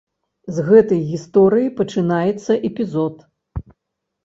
З гэтай гісторыі пачынаецца эпізод.